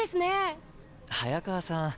早川さん